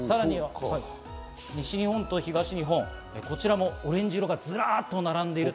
西日本と東日本、こちらもオレンジ色がズラッと並んでいる。